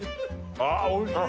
あおいしい！